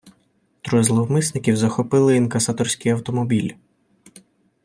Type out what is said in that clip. Троє зловмисників захопили інкасаторський автомобіль.